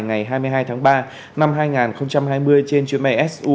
ngày hai mươi hai tháng ba năm hai nghìn hai mươi trên chuyến bay su hai trăm chín mươi